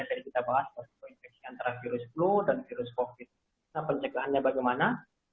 tadi kita bahas koinfeksi antara virus flu dan virus covid nah pencegahannya bagaimana